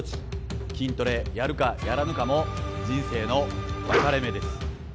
筋トレやるかやらぬかも人生の分かれ目です！